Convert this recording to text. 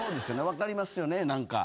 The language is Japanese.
分かりますよね何か。